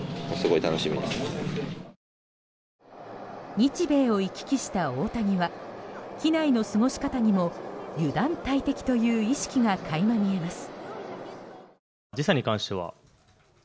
日米を行き来した大谷は機内の過ごし方にも油断大敵という意識が垣間見えます。